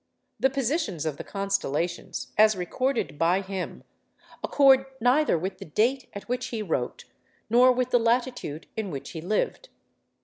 The positions of the constellations, as recorded by him, accord neither with the date at which he wrote nor with the latitude in which he lived.